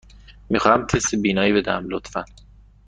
می خواهم تست بینایی بدهم، لطفاً.